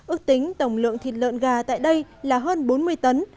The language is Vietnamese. ước tính tổng lượng thịt lợn gà tại đây là hơn bốn mươi tấn